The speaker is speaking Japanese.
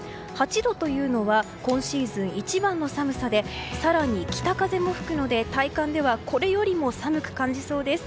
８度というのは今シーズン一番の寒さで更に北風も吹くので、体感ではこれよりも更に寒く感じそうです。